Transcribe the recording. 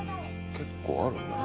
結構あるな。